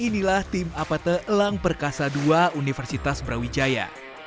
inilah tim apate elang perkasa dua universitas brawijaya